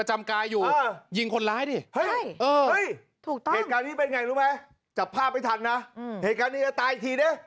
จัดภาพไม่ทันนะเหตุการณ์นี้จะตายอีกทีเนี่ย